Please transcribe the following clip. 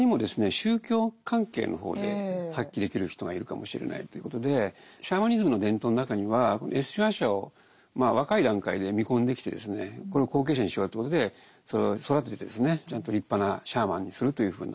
宗教関係の方で発揮できる人がいるかもしれないということでシャーマニズムの伝統の中にはＳ親和者を若い段階で見込んできてこれを後継者にしようということで育ててですねちゃんと立派なシャーマンにするというふうな。